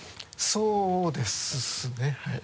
そうですねはい。